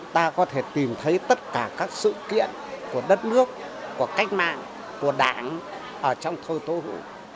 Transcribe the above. ta có thể tìm thấy tất cả các sự kiện của đất nước của cách mạng của đảng ở trong thơ tố hữu